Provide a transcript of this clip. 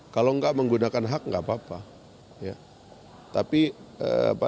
kalau tidak menggunakan hak tidak apa apa